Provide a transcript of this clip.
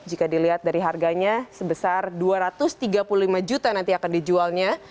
jika dilihat dari harganya sebesar rp dua ratus tiga puluh lima juta nanti akan dijualnya